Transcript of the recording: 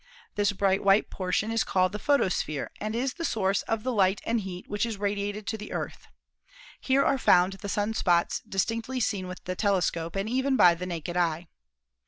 This bright white portion is called the photosphere and is the source of the light and heat which is radiated to the Earth. Here are found the sun spots distinctly seen with the telescope and even by the naked eye.